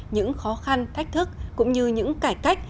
những khó khăn thách thức cũng như những cải cách